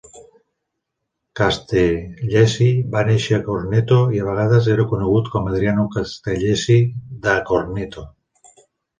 Castellesi va néixer a Corneto i, a vegades, era conegut com a Adriano Castellesi da Corneto.